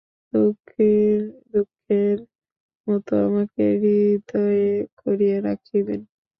দুঃখীর দুঃখের মতো আমাকে হৃদয়ে করিয়া রাখিবেন।